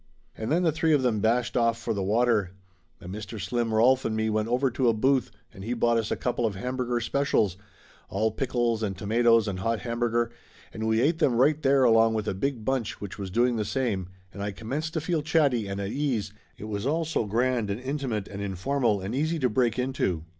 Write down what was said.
And then the three of them dashed off for the water, and Mr. Slim Rolf and me went over to a booth, and he bought us a couple of hamburger specials, all pickles and tomatoes and hot hamburger, and we ate them right there along with a big bunch which was doing the same and I commenced to feel chatty and at ease, it was all so grand and intimate and informal and easy to break into.